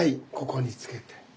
ここにつけて。